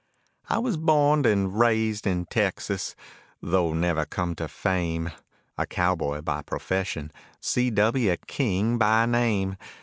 I was borned and raised in Texas, though never come to fame, A cowboy by profession, C.W. King, by name.